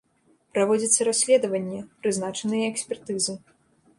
Праводзіцца расследаванне, прызначаныя экспертызы.